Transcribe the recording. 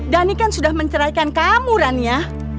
dhani kan sudah menceraikan kamu rania